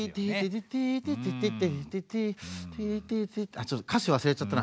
あちょっと歌詞忘れちゃったな。